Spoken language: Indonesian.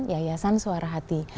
yayasan suara hati